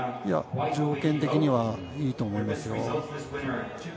条件的にはいいと思います。